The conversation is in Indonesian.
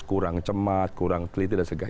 kurang cemat kurang teliti dan sebagainya